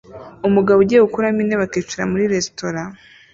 Umugabo ugiye gukuramo intebe akicara muri resitora